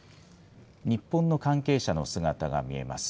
日本の関係者の姿が見えます。